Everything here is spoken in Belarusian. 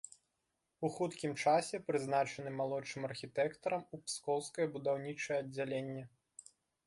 У хуткім часе прызначаны малодшым архітэктарам у пскоўскае будаўнічае аддзяленне.